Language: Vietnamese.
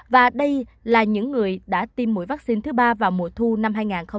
và đây là những người đã tiêm mũi vaccine thứ ba vào mùa thu năm hai nghìn hai mươi